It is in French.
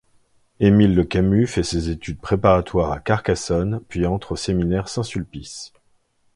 Émile Le Camus fait ses études préparatoires à Carcassonne, puis entre au séminaire Saint-Sulpice.